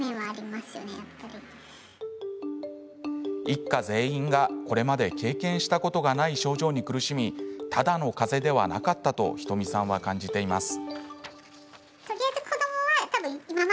一家全員がこれまで経験したことがない症状に苦しみただのかぜではなかったとひとみさんは感じています。